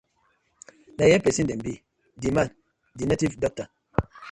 Na yeye pesin dem bi, di man dey native dokta.